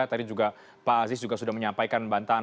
tadi juga pak aziz juga sudah menyampaikan bantahan